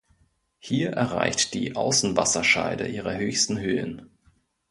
Hier erreicht die Außenwasserscheide ihre höchsten Höhen.